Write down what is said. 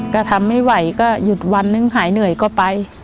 ก็ทำไม่ไหวก็หายเหนื่อยก็ไป